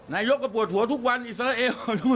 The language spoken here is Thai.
นายกก็ปวดหัวทุกวันอิสราเอล